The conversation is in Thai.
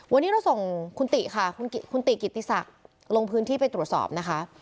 วันนี้เราส่งคุณติค่ะคุณติกิติศักดิ์ลงพื้นที่ไปตรวจสอบนะคะ